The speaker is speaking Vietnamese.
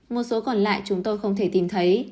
một số còn lại chúng tôi không thể tìm thấy